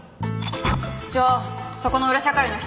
ちょっそこの裏社会の人。